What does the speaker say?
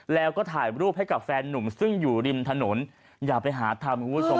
แล้วก็ถ่ายรูปให้กับแฟนนุ่มซึ่งอยู่ริมถนนอย่าไปหาทำคุณผู้ชม